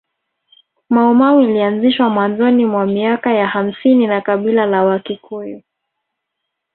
Maumau ilianzishwa mwanzoni mwa miaka ya hamsini na kabila la wakikuyu